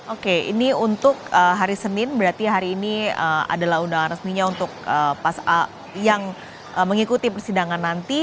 oke ini untuk hari senin berarti hari ini adalah undangan resminya untuk yang mengikuti persidangan nanti